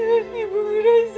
ini ibu rasa